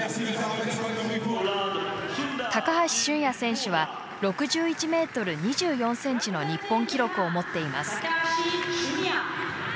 高橋峻也選手は６１ｍ２４ｃｍの日本記録を持っています。